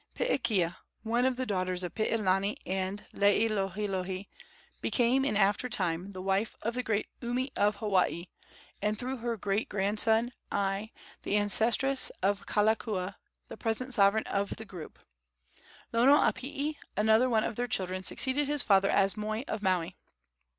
Piikea, one of the daughters of Piilani and Laielohelohe, became in after time the wife of the great Umi, of Hawaii, and through her great grandson, I, the ancestress of Kalakaua, the present sovereign of the group. Lono a Pii, another of their children, succeeded his father as moi of Maui.